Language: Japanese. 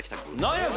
何や？